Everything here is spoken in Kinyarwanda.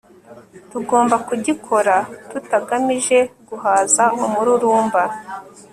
tugomba kugikora tutagamije guhaza umururumba